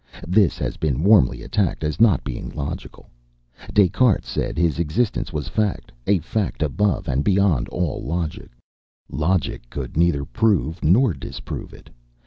This has been warmly attacked as not being logical. Des Cartes said his existence was a fact a fact above and beyond all logic; logic could neither prove nor disprove it.